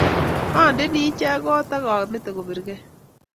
andeni ichet kot akamete kobirgei